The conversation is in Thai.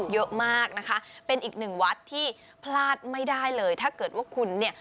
เยอะมากนะคะเป็นอีกหนึ่งวัดที่พลาดไม่ได้เลยถ้าเกิดว่าคุณเนี่ย